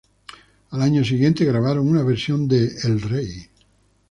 Al año siguiente grabaron una versión de El Rey.